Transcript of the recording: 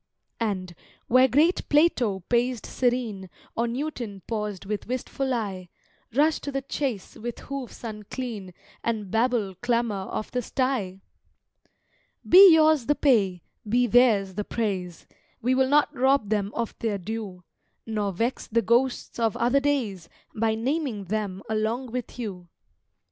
And, where great Plato paced serene, Or Newton paused with wistful eye, Rush to the chace with hoofs unclean And Babel clamour of the sty! Be yours the pay: be theirs the praise: We will not rob them of their due, Nor vex the ghosts of other days By naming them along with you.